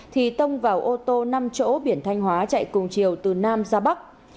thì tông vào ô tô năm chỗ biển thanh hóa chạy cùng chiều từ nam ra bắc